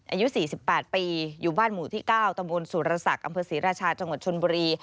อายุ๔๘ปีอยู่บ้านหมู่ที่๙ตำบลสุรศักดิ์อำเภอศรีราชาจังหวัดชนบุรี